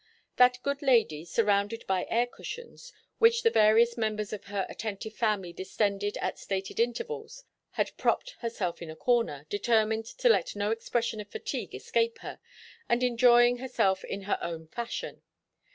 That good lady, surrounded by air cushions, which the various members of her attentive family distended at stated intervals, had propped herself in a corner, determined to let no expression of fatigue escape her, and enjoying herself in her own fashion.